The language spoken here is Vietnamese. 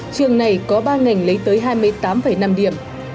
năm nay có ba ngành lấy tới hai mươi tám năm điểm